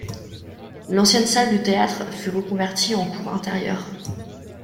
L'ancienne salle de théâtre fut reconvertie en cour intérieure.